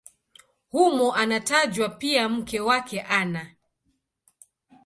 Humo anatajwa pia mke wake Ana.